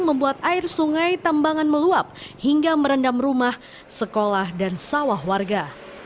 membuat air sungai tambangan meluap hingga merendam rumah sekolah dan sawah warga